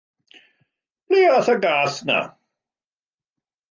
Ble a'th y gath 'na?